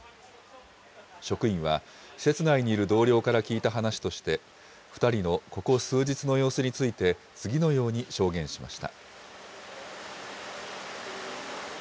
職員は施設内にいる同僚から聞いた話として、２人のここ数日の様子について、次のように証言しました。